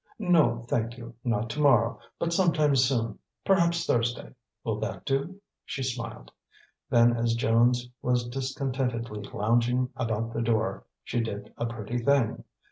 "No, thank you, not to morrow, but sometime soon; perhaps Thursday. Will that do?" she smiled. Then, as Jones was discontentedly lounging about the door, she did a pretty thing.